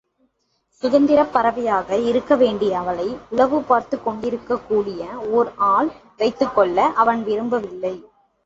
சுதந்திரப் பறவையாக இருக்க வேண்டிய அவளை உளவு பார்த்துக் கொண்டிருக்கக்கூடிய ஓர் ஆள் வைத்துக் கொள்ள அவன் விரும்பவில்லை.